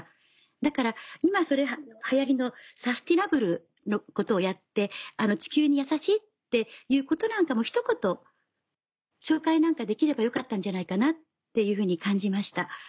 だから今流行りのサスティナブルのことをやって地球に優しいっていうこともひと言紹介できればよかったんじゃないかなっていうふうに感じました。